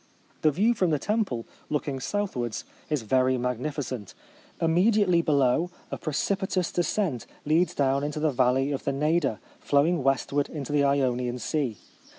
The view from the temple, look ing southwards, is very magnificent. Immediately below, a precipitous descent leads down into the valley of the Neda, flowing westward into the Ionian Sea.